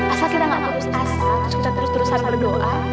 asal kita gak berusaha terus terusan berdoa